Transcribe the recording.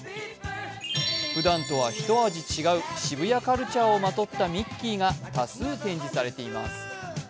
ふだんとは一味違う、渋谷カルチャーをまとったミッキーが多数展示されています。